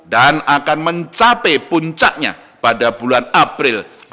dan akan mencapai puncaknya pada bulan april dua ribu dua puluh satu nanti